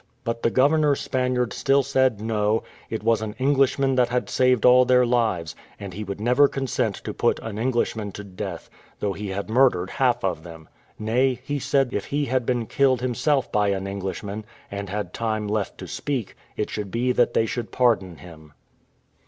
But the governor Spaniard still said No; it was an Englishman that had saved all their lives, and he would never consent to put an Englishman to death, though he had murdered half of them; nay, he said if he had been killed himself by an Englishman, and had time left to speak, it should be that they should pardon him.